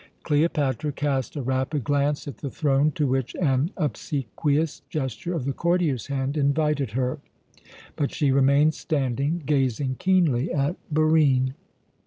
Cleopatra cast a rapid glance at the throne, to which an obsequious gesture of the courtier's hand invited her; but she remained standing, gazing keenly at Barine.